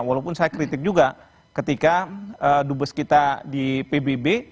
walaupun saya kritik juga ketika dubes kita di pbb